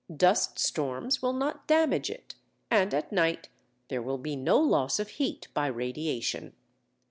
Dust storms will not damage it, and at night there will be no loss of heat by radiation.